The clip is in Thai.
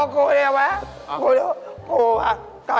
ก็รู้ว่า